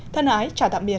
thân hải chào tạm biệt